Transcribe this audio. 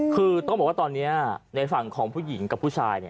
คือต้องบอกว่าตอนนี้ในฝั่งของผู้หญิงกับผู้ชาย